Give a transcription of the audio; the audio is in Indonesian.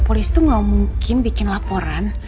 polis tuh gak mungkin bikin laporan